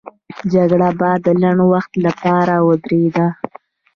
جګړه به د لنډ وخت لپاره ودرېده.